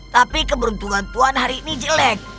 tapi keberuntungan puan hari ini jelek